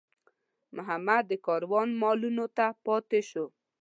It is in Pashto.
محمد د کاروان مالونو ته پاتې شو.